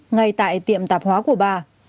ngay tại tiệm tạp hóa của bà